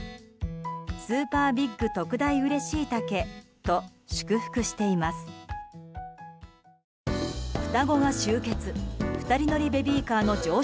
スーパービッグ特大ウレシイタケと祝福しています。